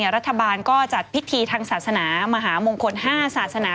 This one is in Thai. รัฐบาลก็จัดพิธีทางศาสนามหามงคล๕ศาสนา